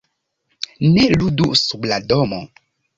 "Ne ludu sub la domo!"